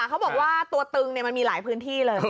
เขาบอกว่าตัวตึงมันมีหลายพื้นที่เลย